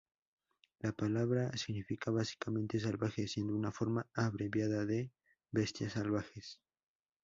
La palabra 野 significa básicamente ‘salvaje’, siendo una forma abreviada de 野獸, ‘bestias salvajes’.